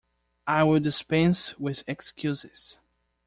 I will dispense with excuses.